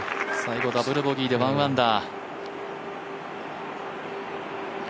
最後、ダブルボギーで１アンダー。